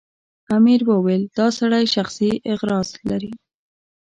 امیر وویل دا سړی شخصي اغراض لري.